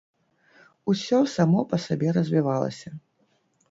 Усё само па сабе развівалася.